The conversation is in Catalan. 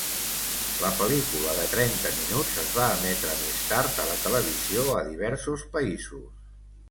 La pel·lícula de trenta minuts es va emetre més tard a la televisió a diversos països.